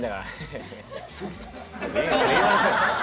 「すいません」。